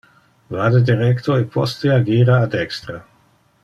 Vade derecto e, postea, gira a dextra.